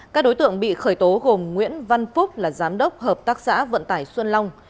các đối tượng bị khởi tố gồm nguyễn văn phúc là giám đốc hợp tác xã vận tải xuân long